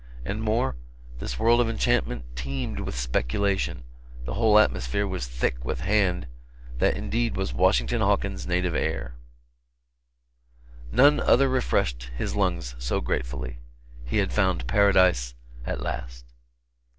And more; this world of enchantment teemed with speculation the whole atmosphere was thick with it and that indeed was Washington Hawkins' native air; none other refreshed his lungs so gratefully. He had found paradise at last.